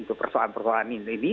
untuk persoalan persoalan ini